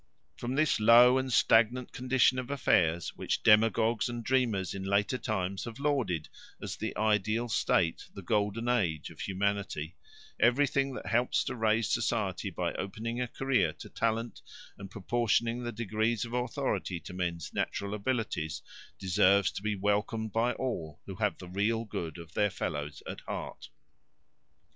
From this low and stagnant condition of affairs, which demagogues and dreamers in later times have lauded as the ideal state, the Golden Age, of humanity, everything that helps to raise society by opening a career to talent and proportioning the degrees of authority to men's natural abilities, deserves to be welcomed by all who have the real good of their fellows at heart.